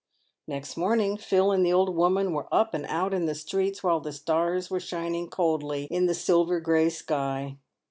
Next morning Phil and the old woman were up and out in the streets while the stars were shining coldly in the silver grey sky.